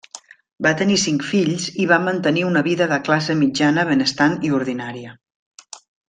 Va tenir cinc fills i va mantenir una vida de classe mitjana benestant i ordinària.